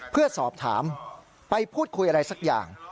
เพื่อสอบถามไปพูดคุยอะไรสักอย่าง